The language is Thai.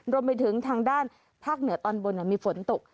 รวมไปถึงทางด้านภาคเหนือตอนบนมีฝนตก